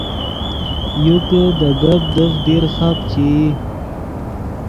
یو کہ دے گپ دیفت دیر خپ چے ای